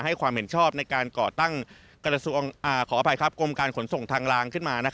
ให้ความเห็นชอบในการก่อตั้งกรรมการขนส่งทางลางขึ้นมา